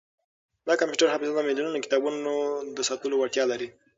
دا کمپیوټري حافظه د ملیونونو کتابونو د ساتلو وړتیا لري.